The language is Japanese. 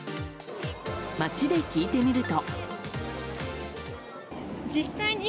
街で聞いてみると。